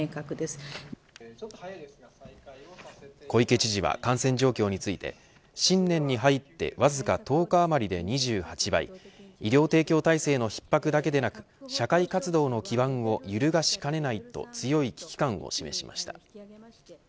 小池知事は感染状況について新年に入ってわずか１０日あまりで２８倍医療提供体制のひっ迫だけでなく社会活動の基盤を揺るがしかねないと強い危機感を示しました。